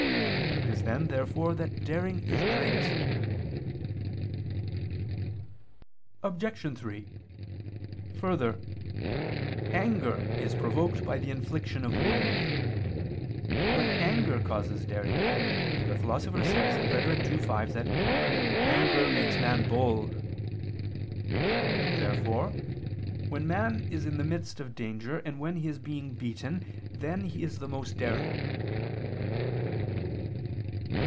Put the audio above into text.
It is then therefore that daring is greatest. Obj. 3: Further, anger is provoked by the infliction of wounds. But anger causes daring; for the Philosopher says (Rhet. ii, 5) that "anger makes man bold." Therefore when man is in the midst of danger and when he is being beaten, then is he most daring.